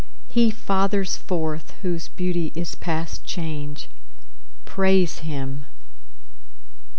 He fathers forth whose beauty is past change; Praise him.